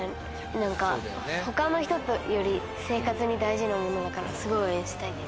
何か他の人より生活に大事なものだからすごい応援したいです。